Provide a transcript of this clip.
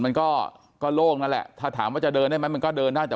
มันก็ก็โลกนั่นแหละถ้าถามว่าจะเดินได้มั้ยมันก็เดินน่าจะ